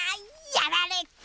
やられた。